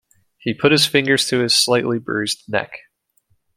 He put his fingers to his slightly bruised neck.